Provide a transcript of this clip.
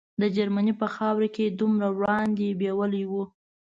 د جرمني په خاوره کې یې دومره وړاندې بیولي وو.